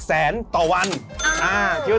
สวัสดีครับ